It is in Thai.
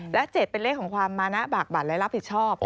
และ๗เป็นเลขของความมานะบากบัตรและรับผิดชอบ